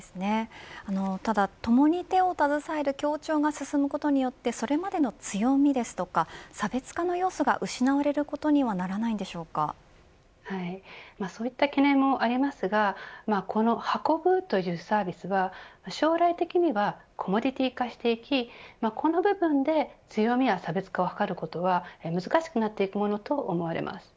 ただともに手を携える協調が進むことによってそれまでの強みですとか差別化の要素が失われることにはそういった懸念もありますがこの運ぶというサービスは将来的にはコモディティー化していきこの部分で強みや差別化を図ることは難しくなっていくものと思われます。